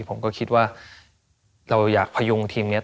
ผมก็คิดว่าเราอยากพยุงทีมนี้